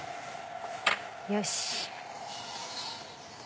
よし。